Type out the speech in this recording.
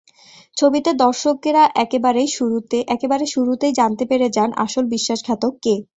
ছবিতে দর্শকেরা একেবারে শুরুতেই জানতে পেরে যান যে আসল বিশ্বাসঘাতক কে।